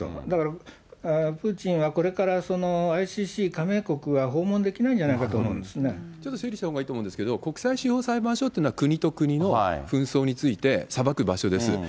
だから、プーチンはこれからＩＣＣ加盟国は訪問できないんじゃないかと思ちょっと整理したほうがいいと思うんですが、国際司法裁判所っていうのは国と国の紛争について裁く場所です。